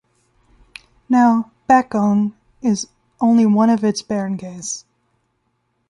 Now, Bacong is only one of its barangays.